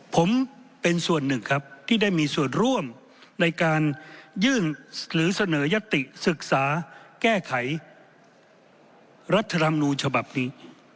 ผมเป็นส่วนหนึ่งครับที่ได้มีส่วนร่วมในการยื่นหรือเสนอยติศึกษาแก้ไขรัฐธรรมนูญฉบับนี้